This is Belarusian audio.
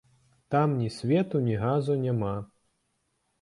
Там ні свету, ні газу няма.